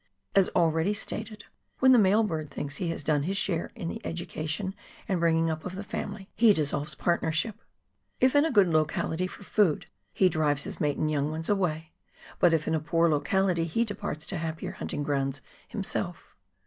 As already stated, when the male bird thinks he has done his share in the education and bringing up of the family he dissolves lis riONEER WORK IN THE ALPS OF NEW ZEALAND. partnership. If in a good locality for food he driyes his mate and young ones away, but if in a poor locality he departs to happier hunting grounds himself.